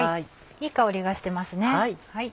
いい香りがしてますね。